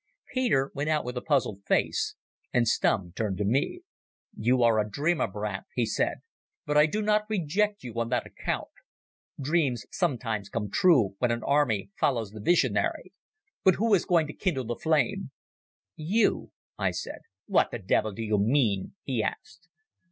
Peter went out with a puzzled face and Stumm turned to me. "You are a dreamer, Brandt," he said. "But I do not reject you on that account. Dreams sometimes come true, when an army follows the visionary. But who is going to kindle the flame?" "You," I said. "What the devil do you mean?" he asked.